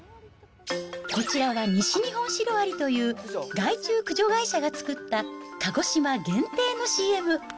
こちらは西日本シロアリという害虫駆除会社が作った、鹿児島限定のＣＭ。